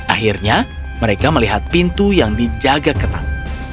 akhirnya mereka melihat pintu yang dijaga ketat